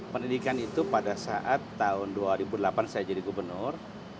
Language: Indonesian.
pendidikan itu pada saat tahun dua ribu delapan saya jadi gubernur